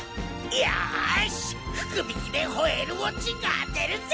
よし福引でホエールウォッチング当てるぜ！